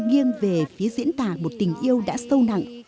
nghiêng về phía diễn tả một tình yêu đã sâu nặng